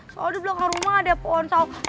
soalnya di belakang rumah ada pohon sawo